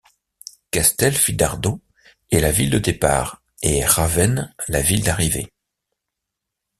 Castelfidardo est la ville de départ, et Ravenne la ville d'arrivée.